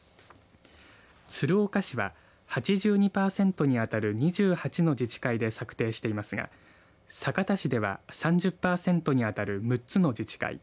鶴岡市は８２パーセントに当たる２８の自治会で策定していますが酒田市では３０パーセントに当たる６つの自治会